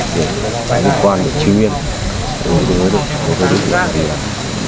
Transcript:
để cơ quan để chuyên nghiên